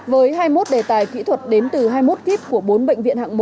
với hai mươi một đề tài kỹ thuật đến từ hai mươi một kíp của bốn bệnh viện hạng một